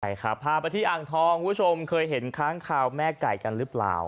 พาไปที่อ่างทองคุณผู้ชมเคยเห็นค้างข่าวแม้ไก่กันรึเปล่า